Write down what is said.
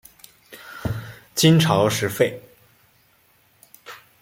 金朝时废。